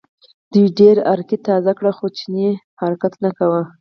دوی ډېر ارګی تازه کړل خو چیني حرکت نه کاوه.